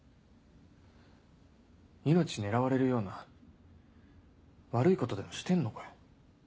命狙われるような悪いことでもしてんのかよ？